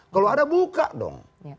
kalau ada buka dong